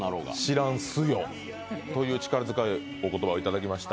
知らん「すよ」という力強い言葉をいただきました。